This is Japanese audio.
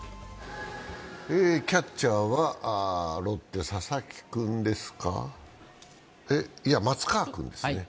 キャッチャーはロッテ・佐々木君ですか、いや松川君ですね。